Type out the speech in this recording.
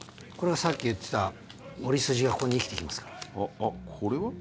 これがさっき言ってた折り筋がここに生きてきますから。